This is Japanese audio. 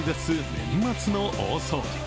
年末の大掃除。